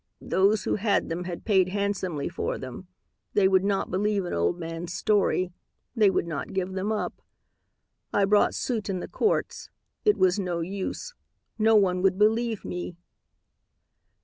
"Those who had them had paid handsomely for them. They would not believe an old man's story. They would not give them up. "I brought suit in the courts. It was no use. No one would believe me.